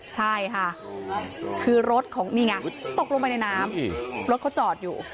ใช่ค่ะคือรถของนี่ไงตกลงไปในน้ำรถเขาจอดอยู่